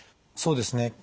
そうですね。